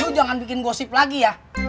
yuk jangan bikin gosip lagi ya